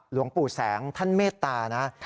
หลวงปู่แสงท่านเมตตานะ